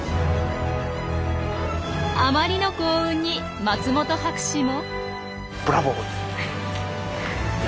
あまりの幸運に松本博士も。